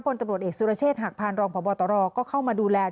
ตำรวจเอกสุรเชษฐหักพานรองพบตรก็เข้ามาดูแล